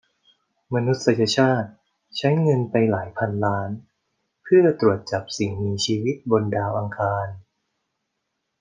มนุษยชาติใช้เงินไปหลายพันล้านเพื่อตรวจจับสิ่งมีชีวิตบนดาวอังคาร